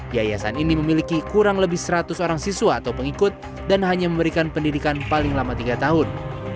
yayasan ini memiliki kurang lebih seratus orang siswa atau pengikut dan hanya memberikan pendidikan paling lama tiga tahun